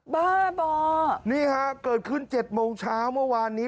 บ้าบ่อนี่ฮะเกิดขึ้น๗โมงเช้าเมื่อวานนี้